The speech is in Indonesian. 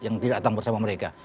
yang tidak datang bersama mereka